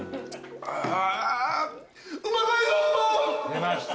出ました。